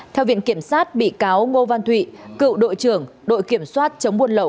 theo viện kiểm sát bị cáo ngô văn thụy cựu đội trưởng đội kiểm soát chống buôn lậu